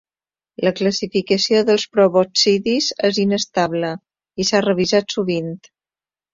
La classificació dels proboscidis és inestable i s'ha revisat sovint.